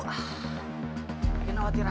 gak ada siapa